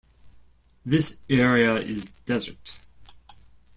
This area is desert.